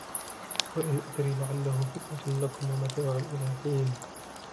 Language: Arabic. وَإِنْ أَدْرِي لَعَلَّهُ فِتْنَةٌ لَكُمْ وَمَتَاعٌ إِلَى حِينٍ